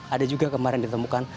ada juga kemarin ditemukan